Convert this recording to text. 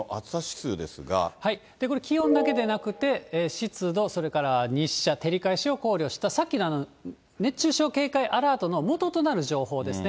これ気温だけでなくて、湿度、それから日射、照り返しを考慮した、さっきの熱中症警戒アラートのもととなる情報ですね。